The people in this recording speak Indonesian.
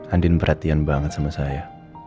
andin perhatian banget sama saya